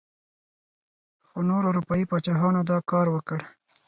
خو نورو اروپايي پاچاهانو دا کار وکړ.